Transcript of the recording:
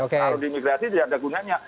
kalau diimigrasi tidak ada gunanya